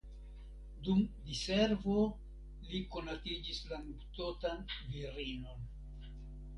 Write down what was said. Dum diservo li konatiĝis la nuptotan virinon.